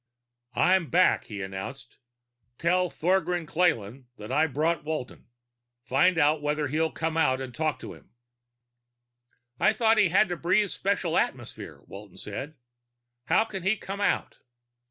"I'm back," he announced. "Tell Thogran Klayrn that I've brought Walton. Find out whether he'll come out to talk to him." "I thought he had to breathe special atmosphere," Walton said. "How can he come out?"